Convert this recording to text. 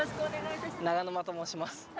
永沼と申します。